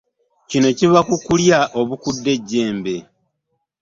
Kino kiva ku bulyake obukudde ejjembe.